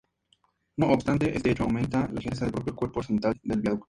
No obstante, este hecho aumenta la ligereza del propio cuerpo horizontal del Viaducto.